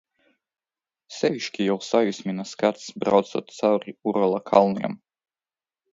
Sevišķi jau sajūsmina skats, braucot cauri Urālu kalniem.